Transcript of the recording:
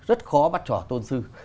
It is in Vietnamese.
thì rất khó bắt trò tôn sư